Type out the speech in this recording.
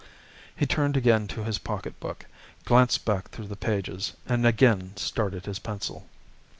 He turned again to his pocket book, glanced back through the pages, and again started his pencil.